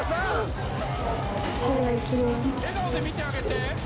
⁉笑顔で見てあげて！